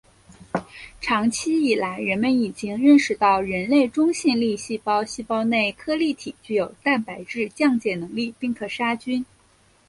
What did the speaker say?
长期以来人们已经认识到人类中性粒细胞细胞内颗粒体具有蛋白质降解能力并可杀菌。